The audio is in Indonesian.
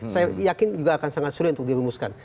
saya yakin juga akan sangat seru untuk diluluskan